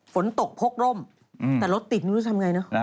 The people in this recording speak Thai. ฝนตกโพกร่มแต่รถติดนึกว่าจะทำยังไง